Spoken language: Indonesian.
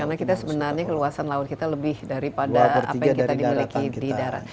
karena kita sebenarnya keluasan laut kita lebih daripada apa yang kita dimiliki di darat